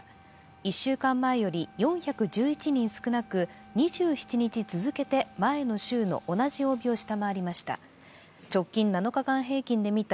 １週間前より４１１人少なく、２７日続けて前の週の同じ曜日を下回りました。